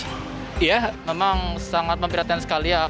iya memang sangat memperhatikan sekali ya